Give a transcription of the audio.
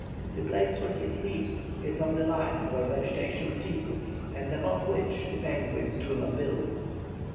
The place where he sleeps is on the line where vegetation ceases and above which the penguins do not build.